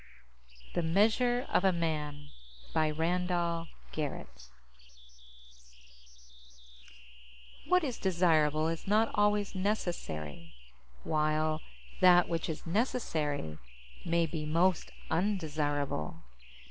THE MEASURE OF A MAN by RANDALL GARRETT Illustrated by Martinez _What is desirable is not always necessary, while that which is necessary may be most undesirable.